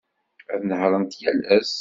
Ad nehhṛent yal ass.